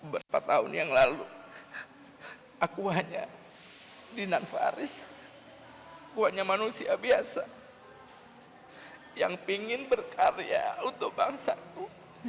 beberapa tahun yang lalu aku hanya dinanfaris kuahnya manusia biasa yang pingin berkarya untuk bangsa ku